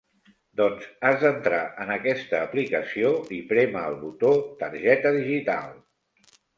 Doncs has d'entrar en aquesta aplicació i prémer el botó "targeta digital".